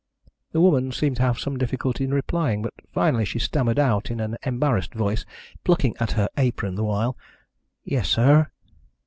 The woman seemed to have some difficulty in replying, but finally she stammered out in an embarrassed voice, plucking at her apron the while: "Yes, sir."